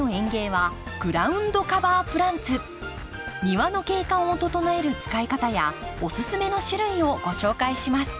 庭の景観を整える使い方やおすすめの種類をご紹介します。